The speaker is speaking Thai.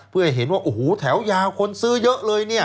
เพื่อให้เห็นว่าโอ้โหแถวยาวคนซื้อเยอะเลยเนี่ย